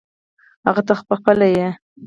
هغه ته پخپله یې .